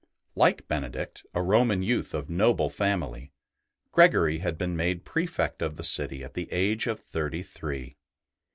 Like Benedict, a Roman youth of noble family, Gregory had been made Prefect of the city at the age of thirty three.